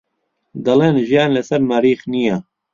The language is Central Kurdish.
دەڵێن ژیان لەسەر مەریخ نییە.